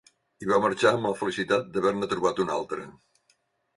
I va marxar amb la felicitat d'haver-ne trobat un altre.